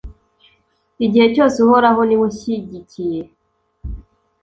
igihe cyose uhoraho ni we unshyigikiye